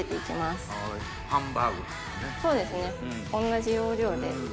同じ要領で。